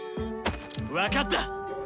分かった！